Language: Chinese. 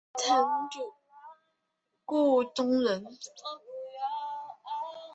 曾祖父顾仲仁。